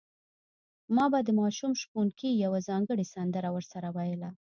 ما به د ماشوم شپونکي یوه ځانګړې سندره ورسره ویله.